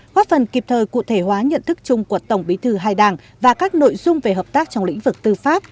góp phần kịp thời cụ thể hóa nhận thức chung của tổng bí thư hai đảng và các nội dung về hợp tác trong lĩnh vực tư pháp